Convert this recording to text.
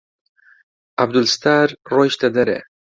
عەبدولستار ڕۆیشتە دەرێ.